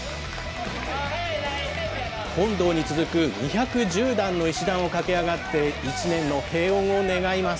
本堂に続く２１０段の石段を駆け上がって、一年の平穏を願います。